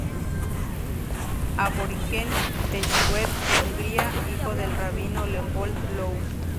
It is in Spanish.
Aborigen de Szeged, Hungría, hijo del rabino Leopold Löw.